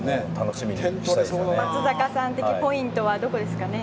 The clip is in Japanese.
松坂さん的ポイントはどこですかね？